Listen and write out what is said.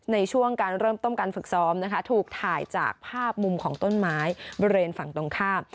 ในช่วงการเริ่มต้นการฝึกซ้อมนะคะถูกถ่ายจากภาพมุมของต้นไม้บริเวณฝั่งตรงข้าม